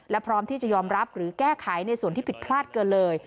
และพร้อมที่จะยอมรับหรือแก้ไขในส่วนที่ผิดพลาดเกินเลย